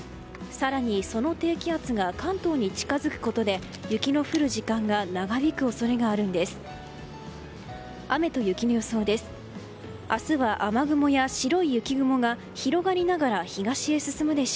更に、その低気圧が関東に近づくことで雪の降る時間が長引く恐れがあるんです。